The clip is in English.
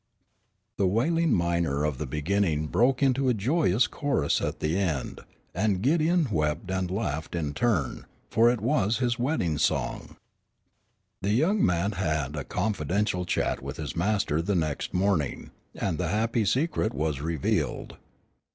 The wailing minor of the beginning broke into a joyous chorus at the end, and Gideon wept and laughed in turn, for it was his wedding song. The young man had a confidential chat with his master the next morning, and the happy secret was revealed.